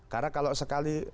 karena kalau sekali